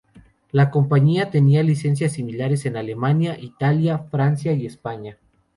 La compañía tenía licencias similares en Alemania, Italia, Francia, y España.